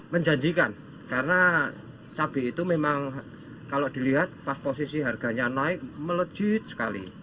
menjanjikan karena cabai itu memang kalau dilihat pas posisi harganya naik melejit sekali